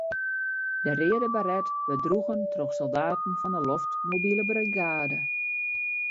De reade baret wurdt droegen troch soldaten fan 'e loftmobile brigade.